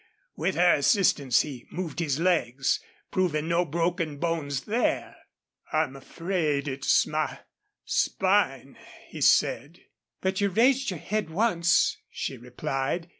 With her assistance he moved his legs, proving no broken bones there. "I'm afraid it's my spine," he said. "But you raised your head once," she replied.